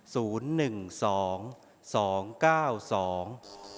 ศูนย์หนึ่งสองสองเก้าสอง